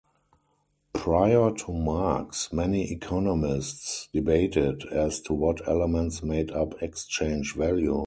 Prior to Marx, many economists debated as to what elements made up exchange value.